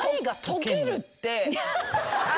溶けるって。